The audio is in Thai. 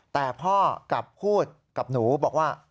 แต่พ่อกลับพูดกับหนูบอกว่า